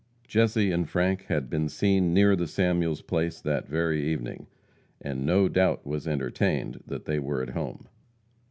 Jesse and Frank had been seen near the Samuels place that very evening, and no doubt was entertained that they were at home.